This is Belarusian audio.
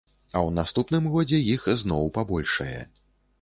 А ў наступным годзе іх зноў пабольшае.